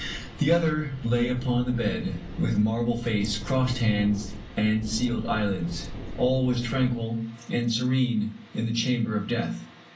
The other lay upon the bed, with marble face, crossed hands, and sealed eyelids. All was tranquil and serene in the chamber of death.